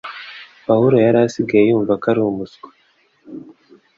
Pawulo yari asigaye yumva ko ari umuswa